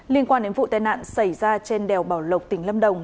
liên quan đến vụ tai nạn xảy ra trên đèo bảo lộc tỉnh lâm đồng